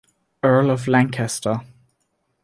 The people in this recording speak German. Earl of Lancaster.